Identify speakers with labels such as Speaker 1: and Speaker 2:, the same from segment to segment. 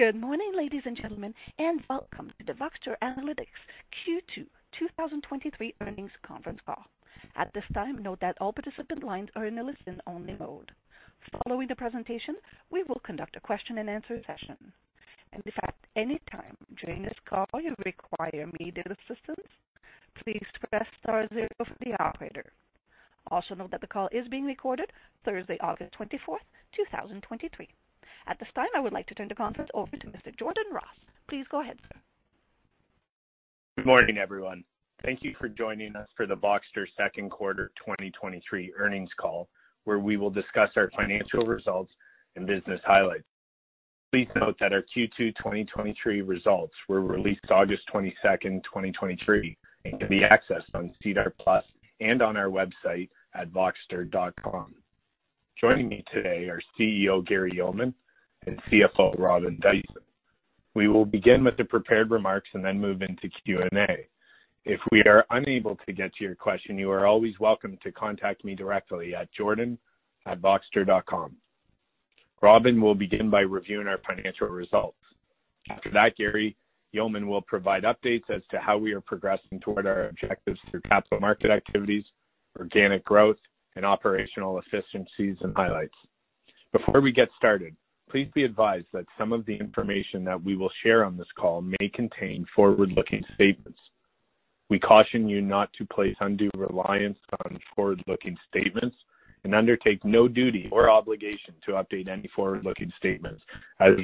Speaker 1: Good morning, ladies and gentlemen, and welcome to the Voxtur Analytics Q2 2023 Earnings Conference Call. At this time, note that all participant lines are in a listen-only mode. Following the presentation, we will conduct a question-and-answer session. If at any time during this call you require immediate assistance, please press star zero for the operator. Also, note that the call is being recorded. Thursday, August 24, 2023. At this time, I would like to turn the conference over to Mr. Jordan Ross. Please go ahead, sir.
Speaker 2: Good morning, everyone. Thank you for joining us for the Voxtur second quarter 2023 earnings call, where we will discuss our financial results and business highlights. Please note that our Q2 2023 results were released August 22, 2023, and can be accessed on SEDAR+ and on our website at voxtur.com. Joining me today are CEO Gary Yeoman and CFO Robin Dyson. We will begin with the prepared remarks and then move into Q&A. If we are unable to get to your question, you are always welcome to contact me directly at jordan@voxtur.com. Robin will begin by reviewing our financial results. After that, Gary Yeoman will provide updates as to how we are progressing toward our objectives through capital market activities, organic growth, and operational efficiencies and highlights. Before we get started, please be advised that some of the information that we will share on this call may contain forward-looking statements. We caution you not to place undue reliance on forward-looking statements and undertake no duty or obligation to update any forward-looking statements as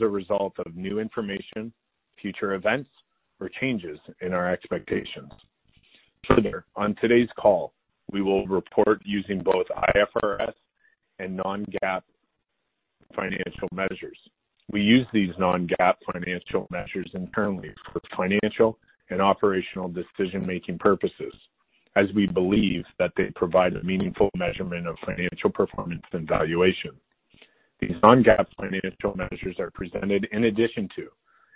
Speaker 2: a result of new information, future events, or changes in our expectations. Further, on today's call, we will report using both IFRS and non-GAAP financial measures. We use these non-GAAP financial measures internally for financial and operational decision-making purposes, as we believe that they provide a meaningful measurement of financial performance and valuation. These non-GAAP financial measures are presented in addition to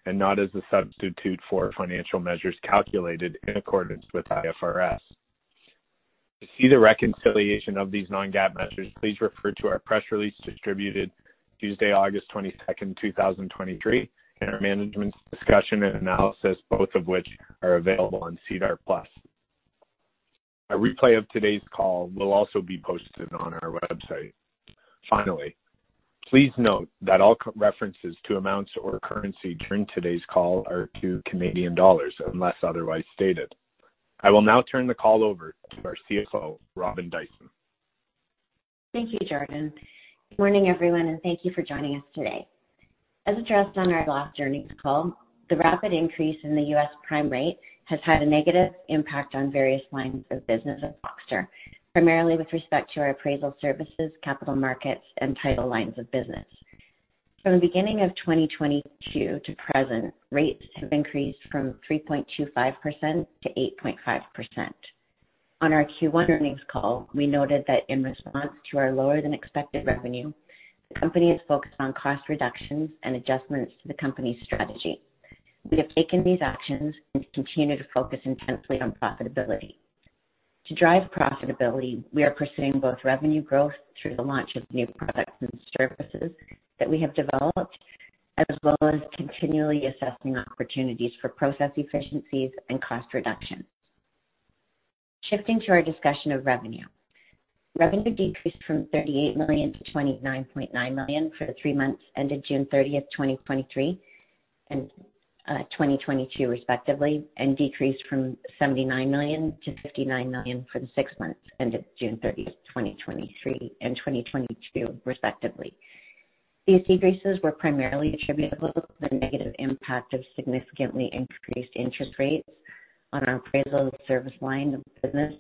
Speaker 2: and not as a substitute for financial measures calculated in accordance with IFRS. To see the reconciliation of these non-GAAP measures, please refer to our press release distributed Tuesday, August 22, 2023, and our management's discussion and analysis, both of which are available on SEDAR+. A replay of today's call will also be posted on our website. Finally, please note that all references to amounts or currency during today's call are to Canadian dollars, unless otherwise stated. I will now turn the call over to our CFO, Robin Dyson.
Speaker 3: Thank you, Jordan. Good morning, everyone, and thank you for joining us today. As addressed on our last earnings call, the rapid increase in the U.S. prime rate has had a negative impact on various lines of business at Voxtur, primarily with respect to our appraisal services, capital markets, and title lines of business. From the beginning of 2022 to present, rates have increased from 3.25%-8.5%. On our Q1 earnings call, we noted that in response to our lower-than-expected revenue, the company has focused on cost reductions and adjustments to the company's strategy. We have taken these actions and continue to focus intensely on profitability. To drive profitability, we are pursuing both revenue growth through the launch of new products and services that we have developed, as well as continually assessing opportunities for process efficiencies and cost reductions. Shifting to our discussion of revenue. Revenue decreased from 38 million-29.9 million for the three months ended June 30, 2023 and twenty twenty-two, respectively, and decreased from 79 million-59 million for the six months ended June 30, 2023 and 2022, respectively. These decreases were primarily attributable to the negative impact of significantly increased interest rates on our appraisal service line of business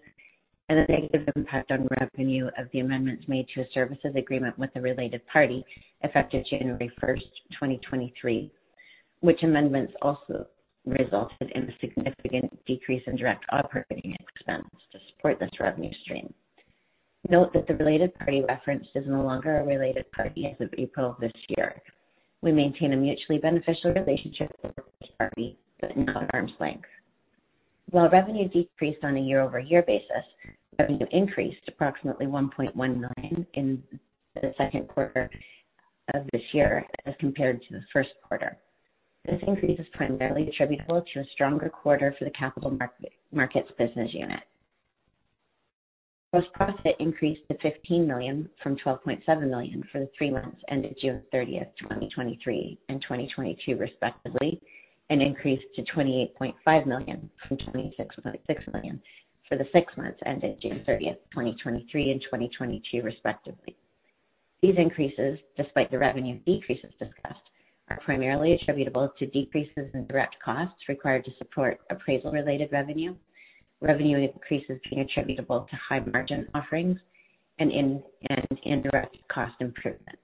Speaker 3: and the negative impact on revenue of the amendments made to a services agreement with a related party effective January 1, 2023, which amendments also resulted in a significant decrease in direct operating expenses to support this revenue stream. Note that the related party referenced is no longer a related party as of April this year. We maintain a mutually beneficial relationship with this party, but in arm's length. While revenue decreased on a year-over-year basis, revenue increased approximately 1.1 million in the second quarter of this year as compared to the first quarter. This increase is primarily attributable to a stronger quarter for the capital markets business unit. Gross profit increased to 15 million from 12.7 million for the three months ended June 30, 2023 and 2022, respectively, and increased to 28.5 million from 26.6 million for the six months ended June 30, 2023 and 2022, respectively. These increases, despite the revenue decreases discussed, are primarily attributable to decreases in direct costs required to support appraisal-related revenue, revenue increases being attributable to high margin offerings and indirect cost improvements.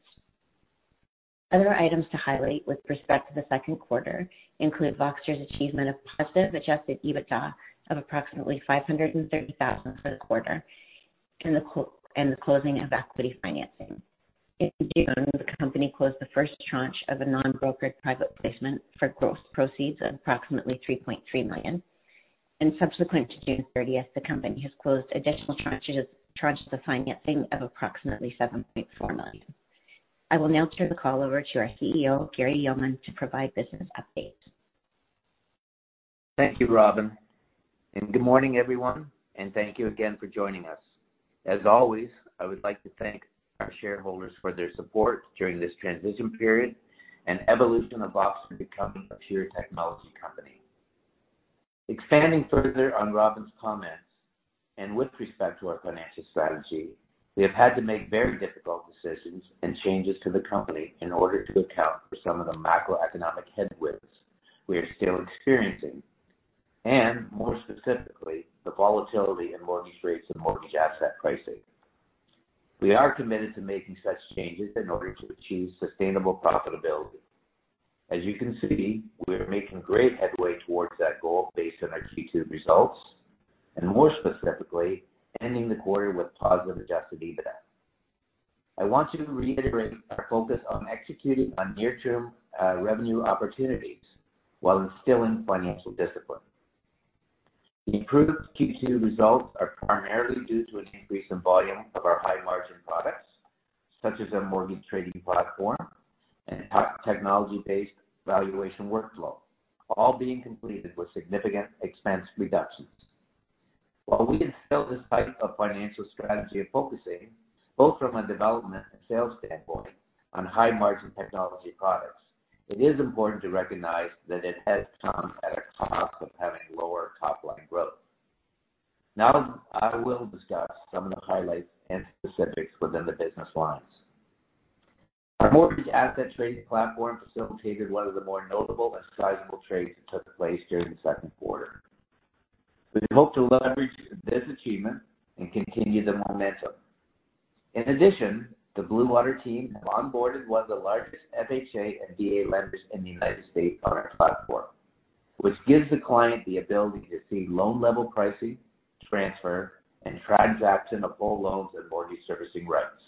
Speaker 3: Other items to highlight with respect to the second quarter include Voxtur's achievement of positive Adjusted EBITDA of approximately 530,000 for the quarter and the closing of equity financing. In June, the company closed the first tranche of a non-brokered private placement for gross proceeds of approximately 3.3 million, and subsequent to June 30th, the company has closed additional tranches of financing of approximately 7.4 million. I will now turn the call over to our CEO, Gary Yeoman, to provide business updates.
Speaker 4: Thank you, Robin, and good morning, everyone, and thank you again for joining us. As always, I would like to thank our shareholders for their support during this transition period and evolution of Voxtur becoming a pure technology company. Expanding further on Robin's comments, and with respect to our financial strategy, we have had to make very difficult decisions and changes to the company in order to account for some of the macroeconomic headwinds we are still experiencing, and more specifically, the volatility in mortgage rates and mortgage asset pricing. We are committed to making such changes in order to achieve sustainable profitability. As you can see, we are making great headway towards that goal based on our Q2 results and more specifically, ending the quarter with positive Adjusted EBITDA. I want to reiterate our focus on executing on near-term revenue opportunities while instilling financial discipline. The improved Q2 results are primarily due to an increase in volume of our high-margin products, such as our mortgage trading platform and top technology-based valuation workflow, all being completed with significant expense reductions. While we have felt this type of financial strategy of focusing, both from a development and sales standpoint, on high-margin technology products, it is important to recognize that it has come at a cost of having lower top-line growth. Now, I will discuss some of the highlights and specifics within the business lines. Our mortgage asset trading platform facilitated one of the more notable and sizable trades that took place during the second quarter. We hope to leverage this achievement and continue the momentum. In addition, the Blue Water team have onboarded one of the largest FHA and VA lenders in the United States on our platform, which gives the client the ability to see loan-level pricing, transfer, and transaction of whole loans and mortgage servicing rights,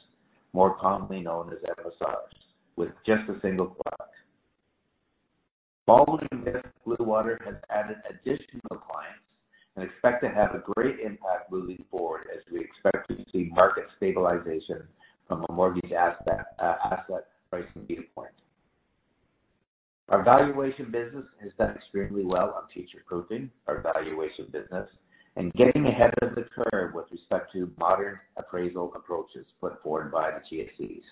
Speaker 4: more commonly known as MSRs, with just a single click. Following this, Blue Water has added additional clients and expect to have a great impact moving forward, as we expect to see market stabilization from a mortgage asset, asset pricing viewpoint. Our valuation business has done extremely well on future proofing our valuation business and getting ahead of the curve with respect to modern appraisal approaches put forward by the GSEs.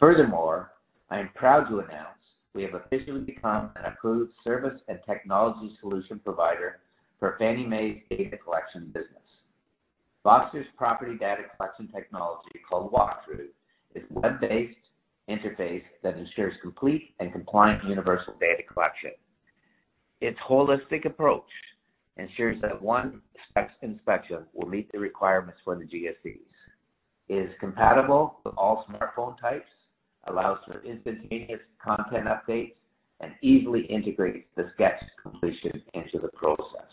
Speaker 4: Furthermore, I am proud to announce we have officially become an approved service and technology solution provider for Fannie Mae's data collection business. Voxtur's property data collection technology, called Walkthrough, is web-based interface that ensures complete and compliant universal data collection. Its holistic approach ensures that one-step inspection will meet the requirements for the GSEs. It is compatible with all smartphone types, allows for instantaneous content updates, and easily integrates the sketch completion into the process.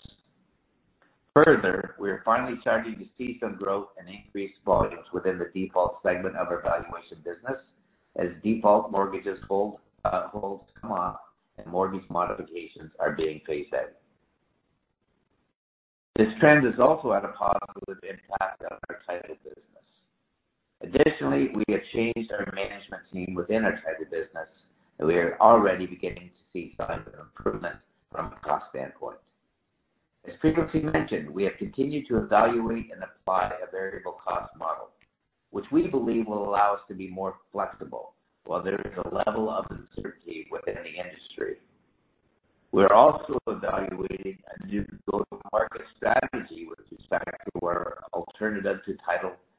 Speaker 4: Further, we are finally starting to see some growth and increased volumes within the default segment of our valuation business, as default mortgage holds, holds come off and mortgage modifications are being phased in. This trend has also had a positive impact on our title business. Additionally, we have changed our management team within our title business, and we are already beginning to see signs of improvement from a cost standpoint. As previously mentioned, we have continued to evaluate and apply a variable cost model, which we believe will allow us to be more flexible while there is a level of uncertainty within the industry. We are also evaluating a new go-to-market strategy with respect to our alternative to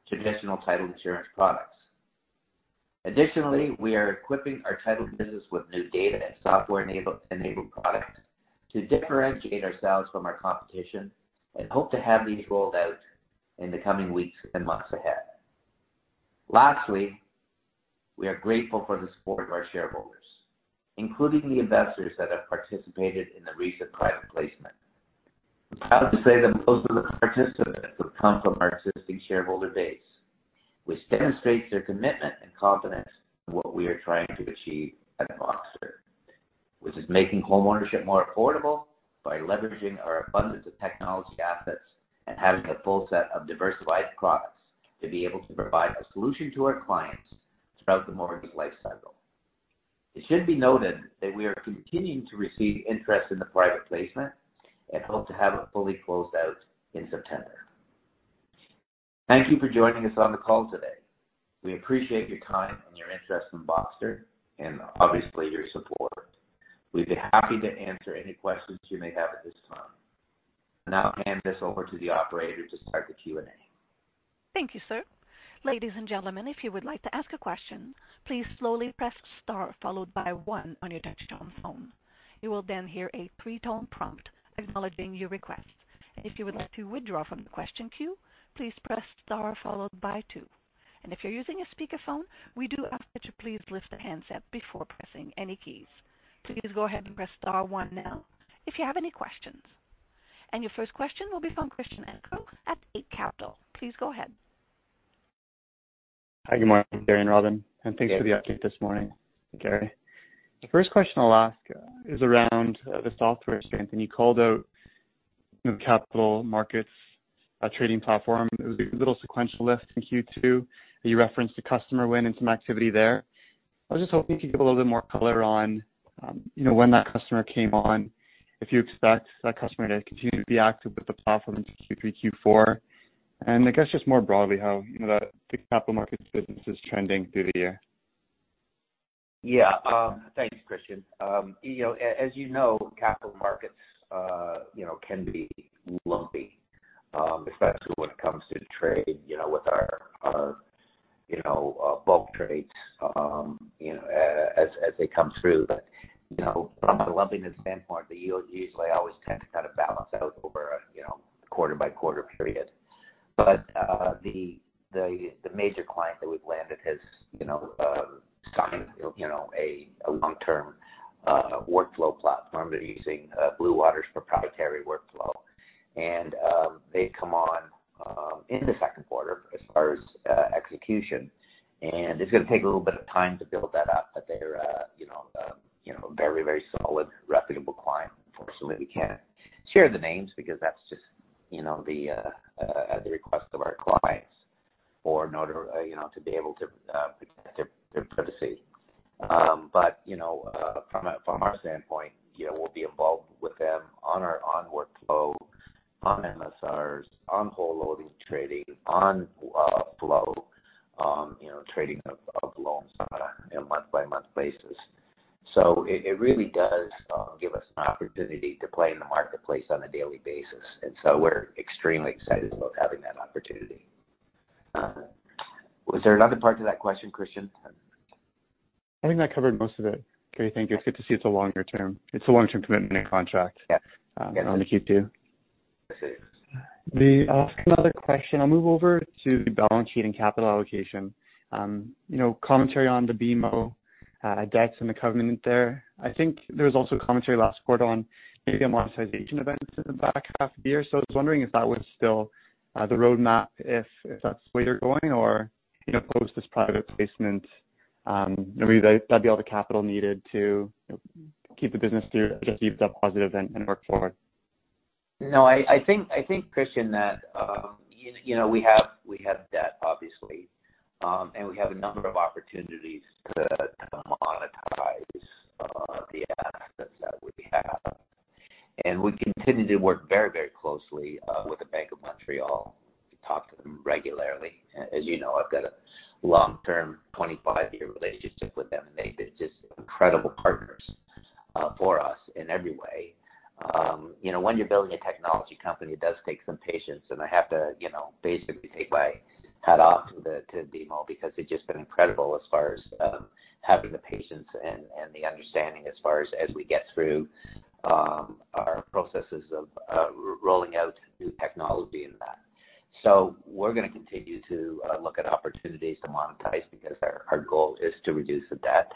Speaker 4: traditional title insurance products. Additionally, we are equipping our title business with new data and software-enabled products to differentiate ourselves from our competition and hope to have these rolled out in the coming weeks and months ahead. Lastly, we are grateful for the support of our shareholders, including the investors that have participated in the recent private placement. I'm proud to say that most of the participants have come from our existing shareholder base, which demonstrates their commitment and confidence in what we are trying to achieve at Voxtur, which is making homeownership more affordable by leveraging our abundance of technology assets and having a full set of diversified products to be able to provide a solution to our clients throughout the mortgage life cycle. It should be noted that we are continuing to receive interest in the private placement and hope to have it fully closed out in September. Thank you for joining us on the call today. We appreciate your time and your interest in Voxtur and obviously, your support. We'd be happy to answer any questions you may have at this time. I'll now hand this over to the operator to start the Q&A.
Speaker 1: Thank you, sir. Ladies and gentlemen, if you would like to ask a question, please slowly press star followed by one on your touch-tone phone. You will then hear a three-tone prompt acknowledging your request. If you would like to withdraw from the question queue, please press star followed by two. If you're using a speakerphone, we do ask that you please lift the handset before pressing any keys. Please go ahead and press star one now if you have any questions. Your first question will be from Christian Sgro at Eight Capital. Please go ahead.
Speaker 5: Hi, good morning, Gary and Robin, and thanks for the update this morning, Gary. The first question I'll ask is around the software strength, and you called out the capital markets trading platform. It was a little sequential lift in Q2, and you referenced a customer win and some activity there. I was just hoping you could give a little bit more color on when that customer came on, if you expect that customer to continue to be active with the platform into Q3, Q4, and I guess just more broadly, how the capital markets business is trending through the year.
Speaker 4: Yeah. Thanks, Christian. As you know, capital markets can be lumpy, especially when it comes to trade, you know, with our bulk trades, you know, as they come through. But, you know, from a lumpiness standpoint, the yields usually always tend to kind of balance out over a quarter by quarter period. But, the major client that we've landed has signed a long-term workflow platform. They're using Blue Water's proprietary workflow. And, they come on in the second quarter as far as execution, and it's gonna take a little bit of time to build that up, but they're a very, very solid, reputable client. Unfortunately, we can't share the names because that's just the, at the request of our clients or in order, you know, to be able to, protect their, their privacy. But, you know, from our standpoint we'll be involved with them on our workflow, on MSRs, on whole loan trading, on, flow, you know, trading of, of loans on a, month-by-month basis. So it really does give us an opportunity to play in the marketplace on a daily basis, and so we're extremely excited about having that opportunity. Was there another part to that question, Christian?
Speaker 5: I think that covered most of it. Okay, thank you. It's good to see it's a longer term. It's a long-term commitment and contract.
Speaker 4: Yes.
Speaker 5: On the Q2.
Speaker 4: Yes.
Speaker 5: I'll ask another question. I'll move over to the balance sheet and capital allocation. You know, commentary on the BMO debts and the covenant there. I think there was also commentary last quarter on maybe a monetization event in the back half of the year. So I was wondering if that was still the roadmap, if that's the way you're going, or post this private placement, maybe that'd be all the capital needed to, you know, keep the business through, just keep the positive and work forward.
Speaker 4: No, I think, Christian, that you know, we have, we have debt, obviously. And we have a number of opportunities to monetize the assets that we have. And we continue to work very, very closely with the Bank of Montreal. We talk to them regularly. As you know, I've got a long-term, 25-year relationship with them, and they've been just incredible partners for us in every way. When you're building a technology company, it does take some patience, and I have to basically take my hat off to BMO because they've just been incredible as far as having the patience and the understanding as far as we get through our processes of rolling out new technology and that. So we're gonna continue to look at opportunities to monetize because our goal is to reduce the debt.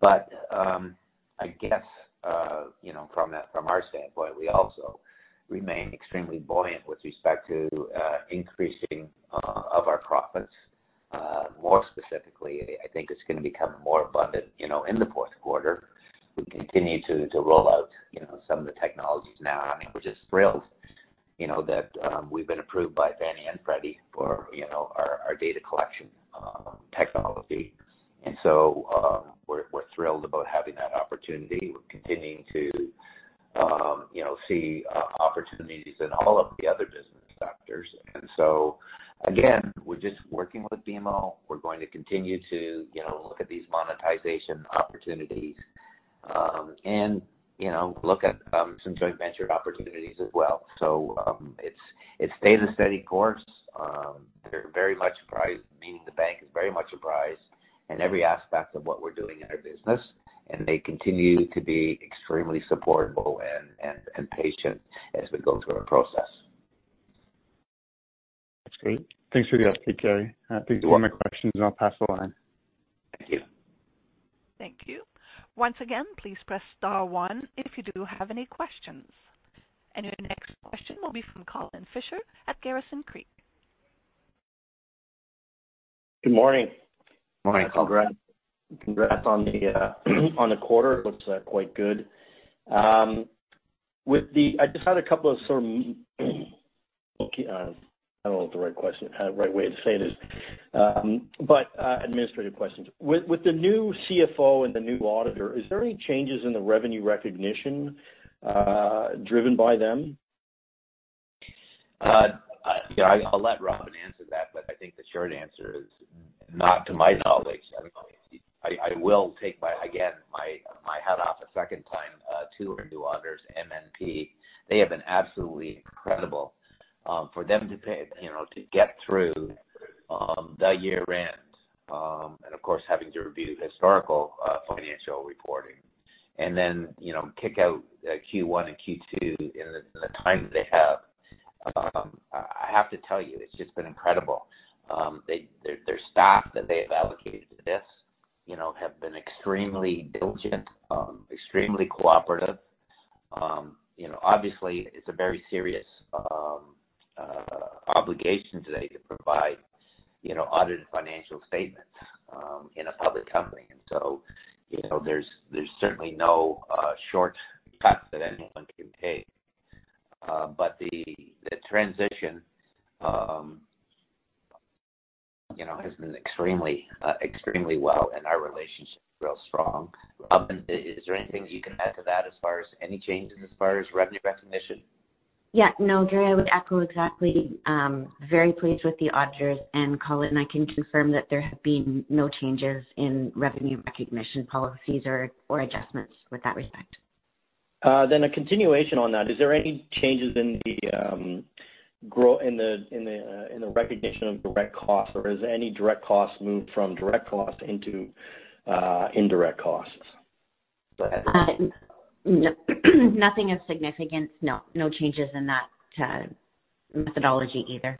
Speaker 4: But I guess from our standpoint, we also remain extremely buoyant with respect to increasing of our profits. More specifically, I think it's gonna become more abundant you know in the fourth quarter. We continue to roll out you know some of the technologies now. I mean, we're just thrilled that we've been approved by
Speaker 6: I don't know what the right question, right way to say this, but, administrative questions. With the new CFO and the new auditor, is there any changes in the revenue recognition driven by them?
Speaker 4: Yeah, I'll let Robin answer that, but I think the short answer is not to my knowledge. I will take my hat off again a second time to our new auditors, MNP. They have been absolutely incredible. For them to, you know, to get through the year-end and of course, having to review historical financial reporting and then, you know, kick out Q1 and Q2 in the time that they have, I have to tell you, it's just been incredible. Their staff that they have allocated to this, you know, have been extremely diligent, extremely cooperative. You know, obviously, it's a very serious obligation today to provide, you know, audited financial statements in a public company. So there's certainly no shortcut that anyone can take. But the transition has been extremely well, and our relationship is real strong. Is there anything you can add to that as far as any changes as far as revenue recognition?
Speaker 3: Yeah, no, Gary, I would echo exactly, very pleased with the auditors and Colin, I can confirm that there have been no changes in revenue recognition policies or adjustments with that respect.
Speaker 6: Then, a continuation on that, is there any changes in the recognition of direct costs, or has any direct costs moved from direct costs into indirect costs?
Speaker 3: No. Nothing of significance, no. No changes in that methodology either.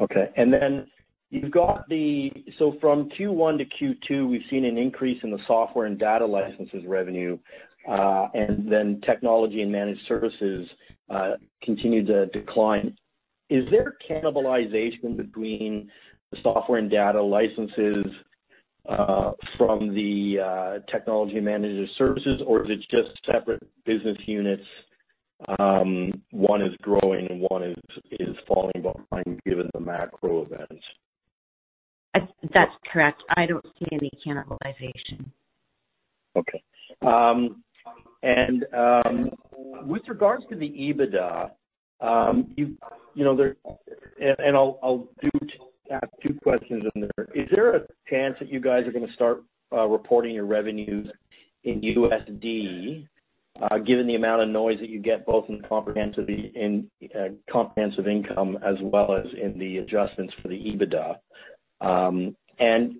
Speaker 6: Okay. And then you've got the, so from Q1 to Q2, we've seen an increase in the software and data licenses revenue, and then technology and managed services continue to decline. Is there cannibalization between the software and data licenses from the technology and managed services, or is it just separate business units? One is growing and one is falling behind given the macro events.
Speaker 3: That's correct. I don't see any cannibalization.
Speaker 6: Okay. With regards to the EBITDA I'll ask two questions in there. Is there a chance that you guys are going to start reporting your revenues in USD, given the amount of noise that you get, both in comprehensive income as well as in the adjustments for the EBITDA? And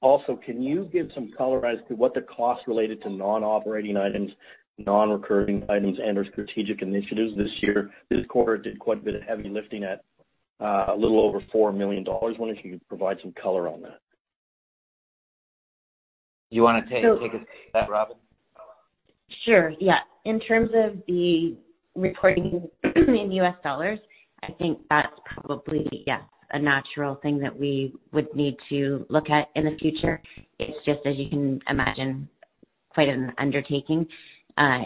Speaker 6: also, can you give some color as to what the costs related to non-operating items, non-recurring items, and/or strategic initiatives this year? This quarter did quite a bit of heavy lifting at a little over $4 million. Wonder if you could provide some color on that.
Speaker 4: You want to take that, Robin?
Speaker 3: Sure, yeah. In terms of the reporting, in U.S. dollars, I think that's probably, yeah, a natural thing that we would need to look at in the future. It's just, as you can imagine, quite an undertaking,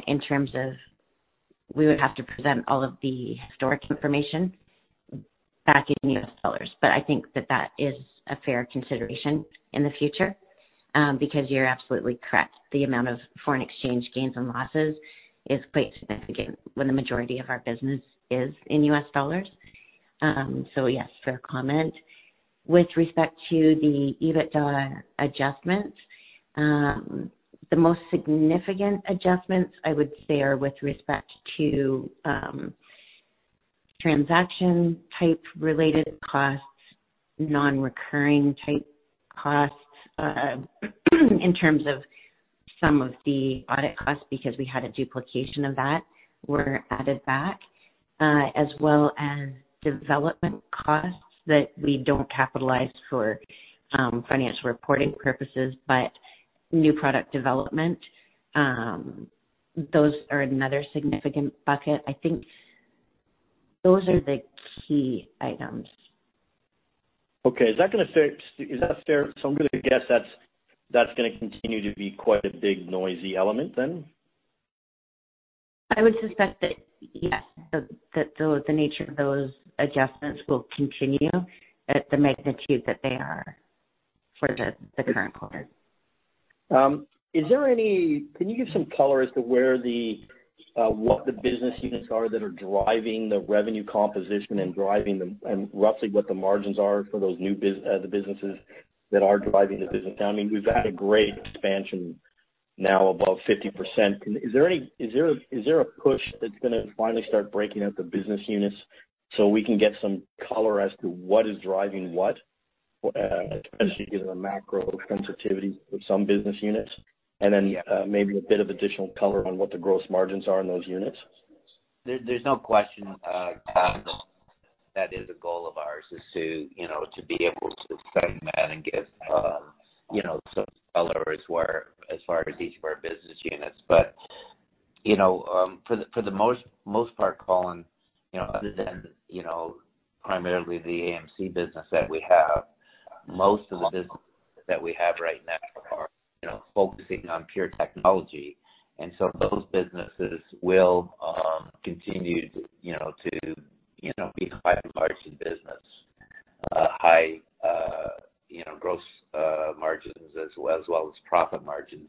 Speaker 3: in terms of we would have to present all of the historic information back in U.S. dollars. But I think that that is a fair consideration in the future, because you're absolutely correct. The amount of foreign exchange gains and losses is quite significant when the majority of our business is in U.S. dollars. So yes, fair comment. With respect to the EBITDA adjustments, the most significant adjustments, I would say, are with respect to, transaction type related costs, non-recurring type costs, in terms of some of the audit costs, because we had a duplication of that, were added back. As well as development costs that we don't capitalize for financial reporting purposes, but new product development, those are another significant bucket. I think those are the key items.
Speaker 6: Okay. Is that fair? So I'm gonna guess that's gonna continue to be quite a big noisy element then?
Speaker 3: I would suspect that, yes, the nature of those adjustments will continue at the magnitude that they are for the current quarter.
Speaker 6: Can you give some color as to where the, what the business units are that are driving the revenue composition and driving them, and roughly what the margins are for those new businesses that are driving the business? I mean, we've had a great expansion now above 50%. Is there a push that's gonna finally start breaking out the business units so we can get some color as to what is driving what, especially given the macro sensitivity of some business units? And then, maybe a bit of additional color on what the gross margins are in those units.
Speaker 4: There, there's no question, Colin, that is a goal of ours, is to, you know, to be able to segment that and give some color as where, as far as each of our business units. But for the, for the most, most part, Colin other than, you know, primarily the AMC business that we have, most of the business that we have right now are, you know, focusing on pure technology. And so those businesses will, continue to, you know, to, you know, be quite a large business. High, you know, gross margins as well, as well as profit margins.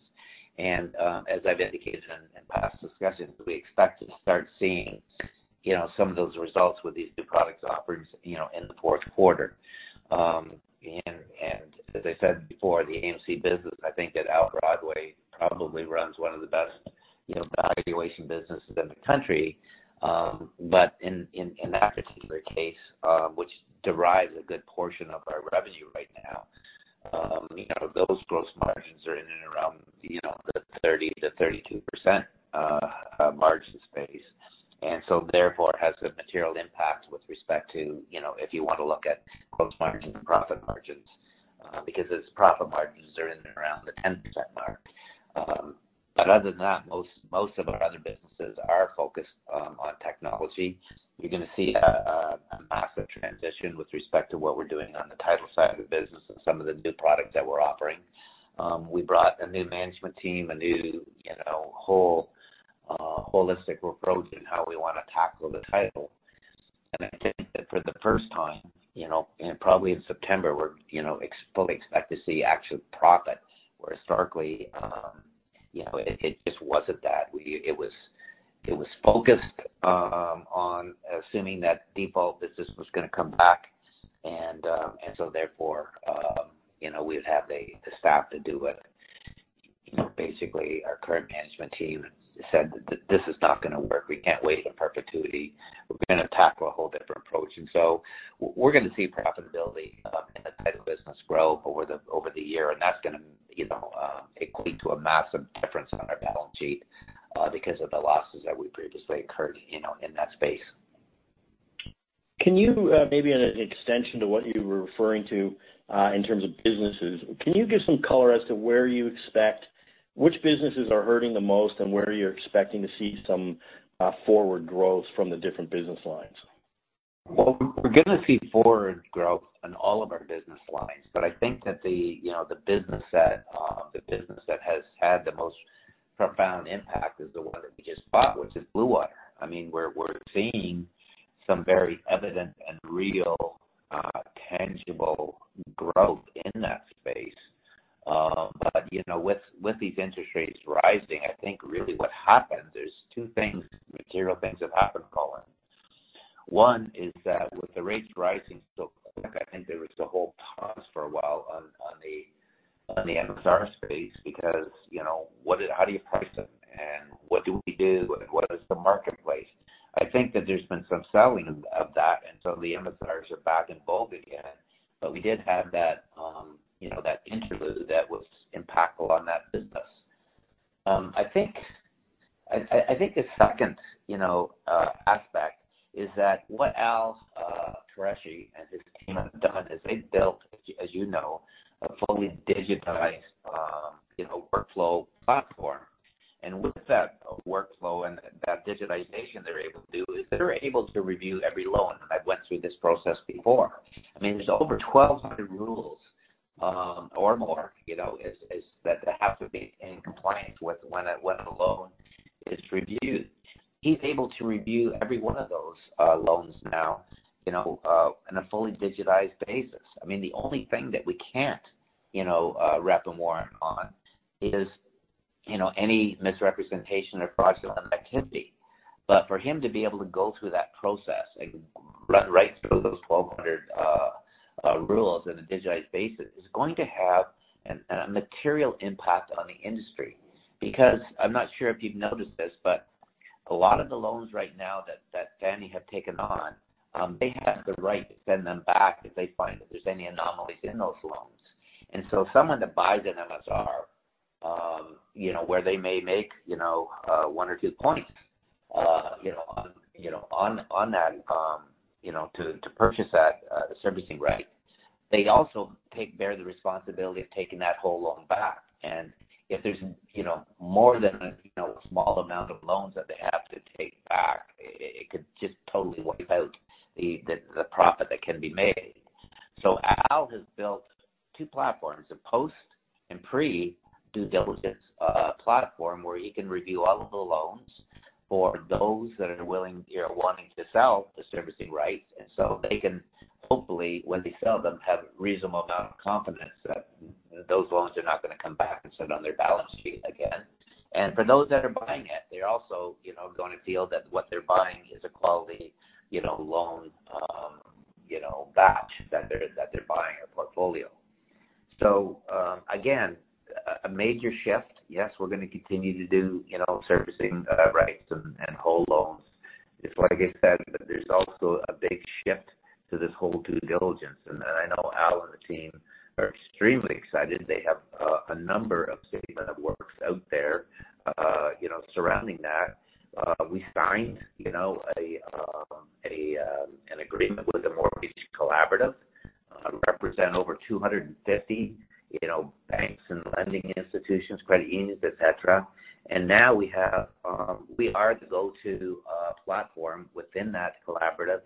Speaker 4: And, as I've indicated in, in past discussions, we expect to start seeing, you know, some of those results with these new products offerings, you know, in the fourth quarter. As I said before, the AMC business, I think that Our Broadway probably runs one of the best, you know, valuation businesses in the country. But in that particular case, which derives a good portion of our revenue right now, you know, those gross margins are in and around, you know, the 30%-32% margin space. And so therefore, it has a material impact with respect to, you know, if you want to look at gross margins and profit margins, because its profit margins are in and around the 10% mark. But other than that, most of our other businesses are focused on technology. You're gonna see a massive transition with respect to what we're doing on the title side of the business and some of the new products that we're offering. We brought a new management team, a new whole holistic approach in how we wanna tackle the title. And I think that for the first time, you know, and probably in September, we're, you know, fully expect to see actual profits, where historically it just wasn't that. It was, it was focused on assuming that default business was gonna come back, and so therefore we'd have the staff to do it. You know, basically, our current management team said that, "This is not gonna work. We can't wait in perpetuity. We're gonna tackle a whole different approach." And so we're gonna see profitability in the title business grow over the year, and that's gonna, you know, equate to a massive difference on our balance sheet, because of the losses that we previously incurred in that space.
Speaker 6: Can you, maybe an extension to what you were referring to, in terms of businesses, can you give some color as to where you expect... Which businesses are hurting the most, and where are you expecting to see some, forward growth from the different business lines?
Speaker 4: Well, we're gonna see forward growth in all of our business lines. But I think that the, you know, the business that has had the most profound impact is the one that we just bought, which is Blue Water. I mean, we're seeing some very evident and real tangible growth in that space. But, you know, with these interest rates rising, I think really what happens is two things, material things have happened, Colin. One is that with the rates rising so quick, I think there was a whole pause for a while on the MSR space because, you know, what did, how do you price them? And what do we do? And what is the marketplace? I think that there's been some selling of that, and so the MSRs are back in vogue again. But we did have that, you know, that interlude that was impactful on that business. I think, I think the second, you know, aspect is that what Alan Qureshi and his team have done is they've built, as you know, a fully digitized, you know, workflow platform. And with that workflow and that digitization they're able to do, is they're able to review every loan, and I've went through this process before. I mean, there's over 1,200 rules, or more, you know, as that have to be in compliance with when a loan is reviewed. He's able to review every one of those, loans now, you know, in a fully digitized basis. I mean, the only thing that we can't, you know, wrap a warrant on is, you know, any misrepresentation or fraudulent activity. But for him to be able to go through that process and run right through those 1,200 rules in a digitized basis, is going to have a material impact on the industry. Because I'm not sure if you've noticed this, but a lot of the loans right now that Fannie have taken on, they have the right to send them back if they find that there's any anomalies in those loans. And so someone that buys an MSR, you know, where they may make, you know, 1 or 2 points, you know, on, you know, on that, you know, to purchase that servicing right, they also take bear the responsibility of taking that whole loan back. If there's, you know, more than a, you know, small amount of loans that they have to take back, it could just totally wipe out the profit that can be made. So Al has built two platforms, a post and pre-due diligence platform, where he can review all of the loans for those that are willing, you know, wanting to sell the servicing rights. And so they can, hopefully, when they sell them, have a reasonable amount of confidence that those loans are not gonna come back and sit on their balance sheet again. And for those that are buying it, they're also gonna feel that what they're buying is a quality, you know, loan batch, that they're buying a portfolio. So, again, a major shift. Yes, we're gonna continue to do, you know, servicing rights and whole loans. It's like I said, that there's also a big shift to this whole due diligence. And I know Al and the team are extremely excited. They have a number of statement of works out there, you know, surrounding that. We signed, you know, an agreement with The Mortgage Collaborative, represent over 250, you know, banks and lending institutions, credit unions, et cetera. And now we have, we are the go-to platform within that collaborative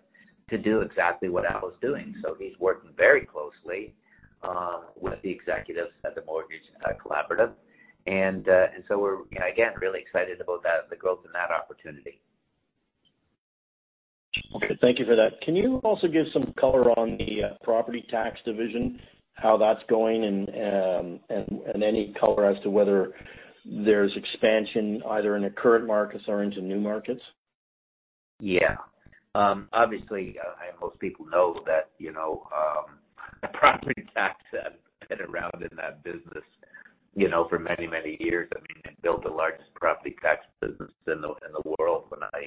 Speaker 4: to do exactly what Al is doing. So he's working very closely with the executives at The Mortgage Collaborative. And so we're, again, really excited about that, the growth in that opportunity.
Speaker 6: Okay, thank you for that. Can you also give some color on the property tax division, how that's going, and any color as to whether there's expansion either in the current markets or into new markets?
Speaker 4: Yeah. Obviously, and most people know that, you know, property tax, I've been around in that business, you know, for many, many years. I mean, I built the largest property tax business in the world when I,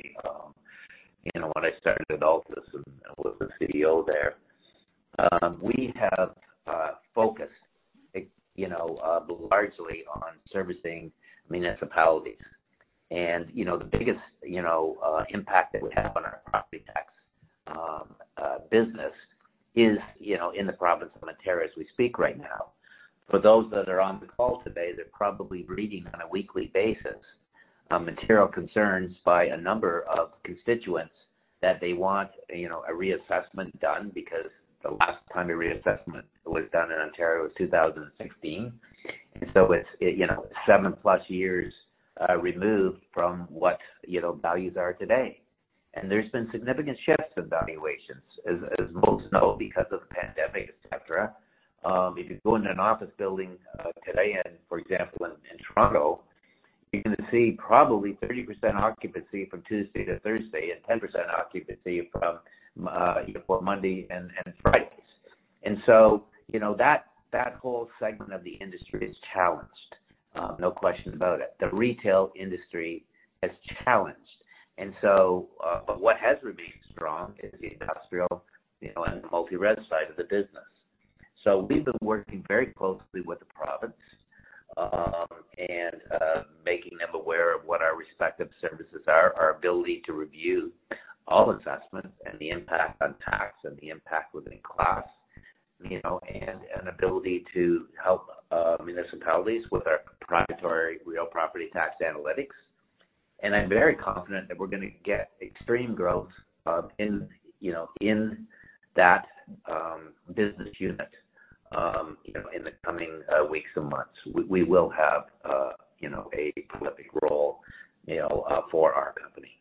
Speaker 4: you know, when I started Altus and I was the CEO there. We have focused, you know, largely on servicing municipalities. And, you know, the biggest, you know, impact that we have on our property tax business is, you know, in the province of Ontario as we speak right now. For those that are on the call today, they're probably reading on a weekly basis, material concerns by a number of constituents that they want, you know, a reassessment done because the last time a reassessment was done in Ontario was 2016. And so it's you know 7+ years removed from what you know values are today. And there's been significant shifts in valuations, as most know, because of the pandemic, et cetera. If you go into an office building today and, for example, in Toronto, you're gonna see probably 30% occupancy from Tuesday to Thursday and 10% occupancy from you know from Monday and Fridays. And so you know that whole segment of the industry is challenged, no question about it. The retail industry is challenged. But what has remained strong is the industrial you know and the multi-res side of the business. So we've been working very closely with the province and making them aware of what our respective services are, our ability to review all assessments and the impact on tax and the impact within class, you know, and an ability to help municipalities with our proprietary real property tax analytics. And I'm very confident that we're gonna get extreme growth, you know, in that business unit, you know, in the coming weeks and months. We will have, you know, a prolific role, you know, for our company.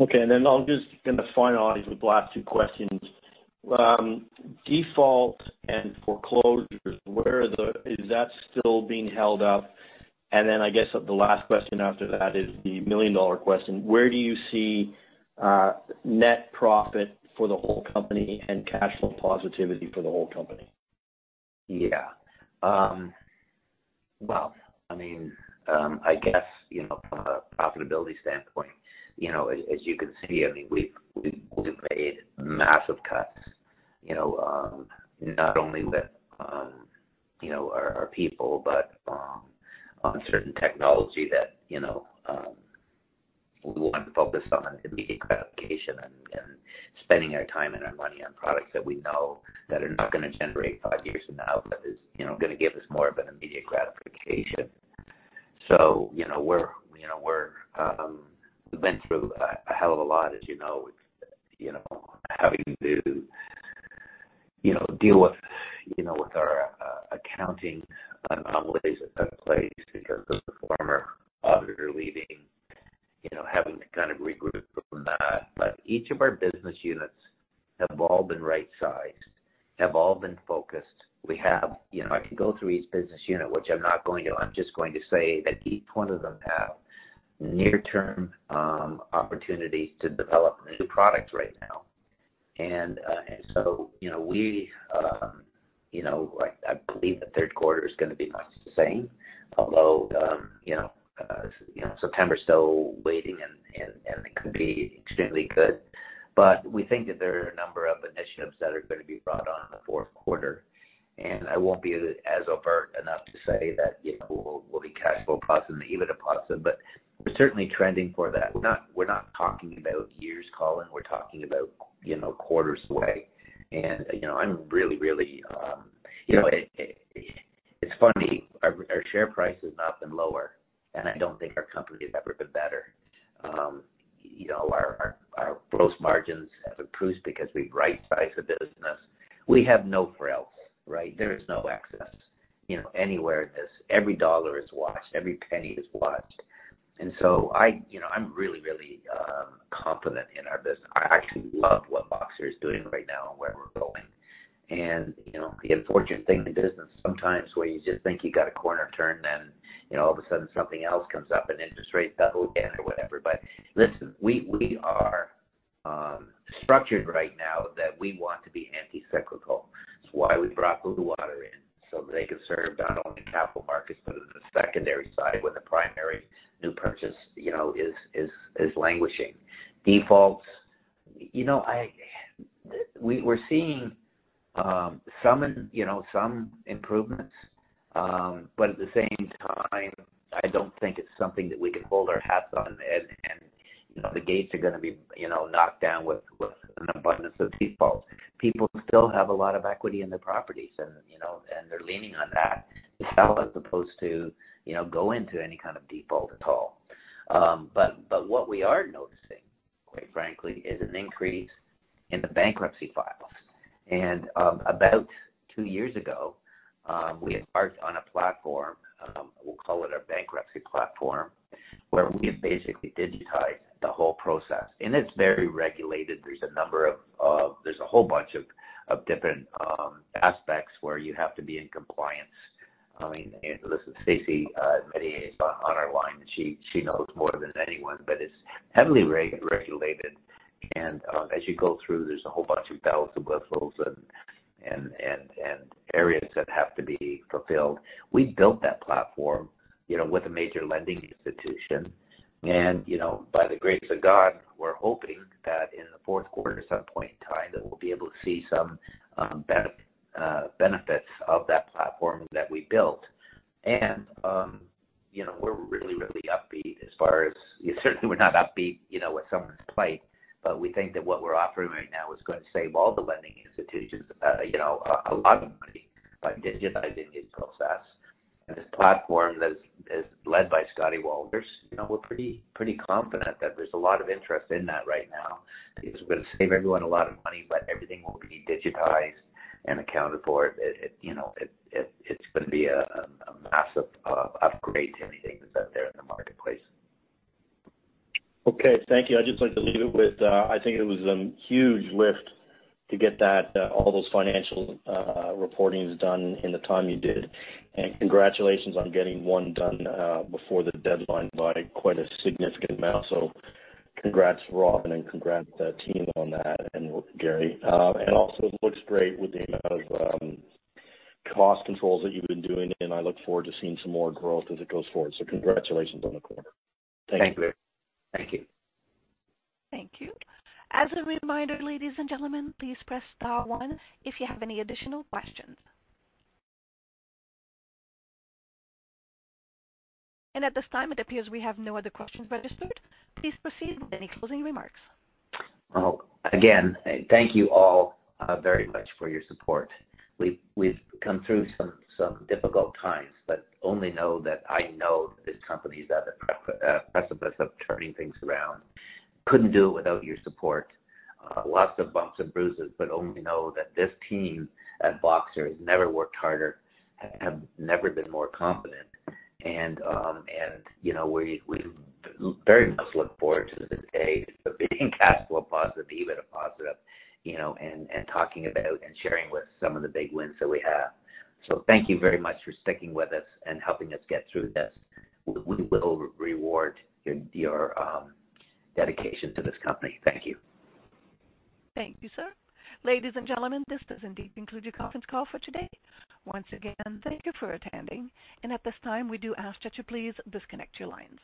Speaker 6: Okay. And then I'm just gonna finalize with the last two questions. Default and foreclosures, where are the is that still being held up? And then I guess the last question after that is the million-dollar question: Where do you see net profit for the whole company and cash flow positivity for the whole company?
Speaker 4: Yeah. Well, I mean, I guess from a profitability standpoint, you know, as you can see, I mean, we've made massive cuts, you know, not only withour people, but on certain technology that we want to focus on immediate gratification and spending our time and our money on products that we know that are not gonna generate five years from now, but is gonna give us more of an immediate gratification. So, you know, we're, you know, we're... We've been through a hell of a lot, as you know, with having to deal with, you know, with our accounting anomalies in place because of the former auditor leaving, you know, having to kind of regroup from that. But each of our business units have all been right-sized, have all been focused. We have I can go through each business unit, which I'm not going to. I'm just going to say that each one of them have near-term opportunities to develop new products right now. And so, you know, we, you know, I, I believe the third quarter is gonna be much the same, although, you know, you know, September's still waiting and it could be extremely good. But we think that there are a number of initiatives that are gonna be brought on in the fourth quarter, and I won't be as overt enough to say that, you know, we'll, we'll be cash flow positive and EBITDA positive, but we're certainly trending for that. We're not, we're not talking about years, Colin, we're talking about, you know, quarters away. And, you know, I'm really, really... You know, it's funny, our share price has not been lower, and I don't think our company has ever been better. You know, our gross margins have improved because we've right-sized the business. We have no frills, right? There is no excess, you know, anywhere in this. Every dollar is watched, every penny is watched. And so I, you know, I'm really, really confident in our business. I actually love what Voxtur is doing right now and where we're going. And, you know, the unfortunate thing in business, sometimes where you just think you got a corner turned, then, you know, all of a sudden something else comes up, and interest rates double again or whatever. But listen, we are structured right now that we want to be anti-cyclical. That's why we brought Blue Water in, so they could serve not only capital markets, but as a secondary side, when the primary new purchase, you know, is languishing. Defaults, you know, we're seeing some improvements. But at the same time, I don't think it's something that we can hold our hats on and, you know, the gates are gonna be knocked down with an abundance of defaults. People still have a lot of equity in their properties, and, you know, and they're leaning on that, as opposed to, you know, go into any kind of default at all. But what we are noticing, quite frankly, is an increase in the bankruptcy files. About two years ago, we embarked on a platform, we'll call it our bankruptcy platform, where we've basically digitized the whole process. And it's very regulated. There's a whole bunch of different aspects where you have to be in compliance. I mean, and listen, Stacy is on our line, and she knows more than anyone, but it's heavily regulated. And as you go through, there's a whole bunch of bells and whistles and areas that have to be fulfilled. We built that platform, you know, with a major lending institution. And you know, by the grace of God, we're hoping that in the fourth quarter, at some point in time, that we'll be able to see some benefits of that platform that we built. And we're really, really upbeat as far as, we certainly we're not upbeat, you know, with someone's plight, but we think that what we're offering right now is going to save all the lending institutions, you know, a lot of money by digitizing the process. And this platform that's led by Scotty Walters, you know, we're pretty, pretty confident that there's a lot of interest in that right now, because we're going to save everyone a lot of money, but everything will be digitized and accounted for. It, you know, it's going to be a massive upgrade to anything that's out there in the marketplace.
Speaker 6: Okay, thank you. I'd just like to leave it with, I think it was a huge lift to get that, all those financial reporting done in the time you did. And congratulations on getting one done, before the deadline by quite a significant amount. So congrats, Robin, and congrats to the team on that, and Gary. And also, it looks great with the amount of cost controls that you've been doing, and I look forward to seeing some more growth as it goes forward. So congratulations on the quarter.
Speaker 4: Thank you.
Speaker 1: Thank you. As a reminder, ladies and gentlemen, please press star one if you have any additional questions. At this time, it appears we have no other questions registered. Please proceed with any closing remarks.
Speaker 4: Well, again, thank you all very much for your support. We've come through some difficult times, but only know that I know this company is at the precipice of turning things around. Couldn't do it without your support. Lots of bumps and bruises, but only know that this team at Voxtur has never worked harder, have never been more confident. And, you know, we very much look forward to the day of being cash flow positive, EBITDA positive, you know, and talking about and sharing with some of the big wins that we have. So thank you very much for sticking with us and helping us get through this. We will reward your dedication to this company. Thank you.
Speaker 1: Thank you, sir. Ladies and gentlemen, this does indeed conclude your conference call for today. Once again, thank you for attending, and at this time, we do ask that you please disconnect your lines.